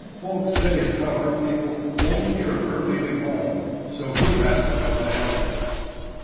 "Folks say as how her people won't hear of her leaving home. So he'll have to come to Hamilton."